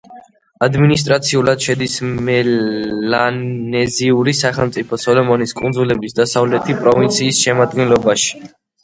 ადმინისტრაციულად შედის მელანეზიური სახელმწიფო სოლომონის კუნძულების დასავლეთი პროვინციის შემადგენლობაში.